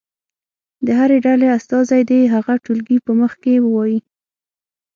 د هرې ډلې استازی دې هغه ټولګي په مخ کې ووایي.